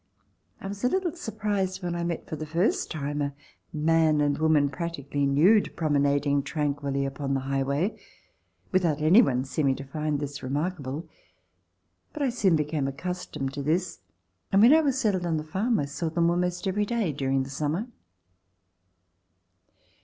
I was a little surprised when I met for the first time a man and woman practically nude promenading tranquilly upon the highway, without any one seem ing to find this remarkable. But I soon became ac customed to this, and, when I was settled on the farm, I saw them almost every day during the summer.